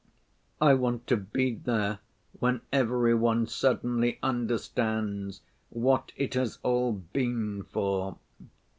I want to be there when every one suddenly understands what it has all been for.